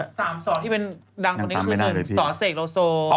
สามสอดที่เป็นดังคนนี้คือหนึ่งสอเสกโรโซ